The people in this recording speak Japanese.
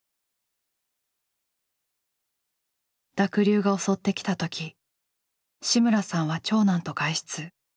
濁流が襲ってきた時志村さんは長男と外出。